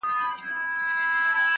• خو د غوجلې ځای لا هم چوپ او خالي دی,